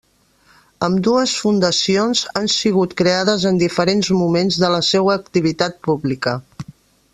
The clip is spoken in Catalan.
Ambdues fundacions han sigut creades en diferents moments de la seua activitat pública.